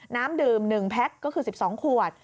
น้ำดื่ม๑แพ็คก็คือ๑๒ขวด